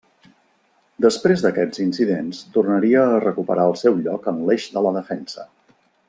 Després d'aquests incidents tornaria a recuperar el seu lloc en l'eix de la defensa.